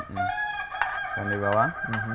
ambil dari bawah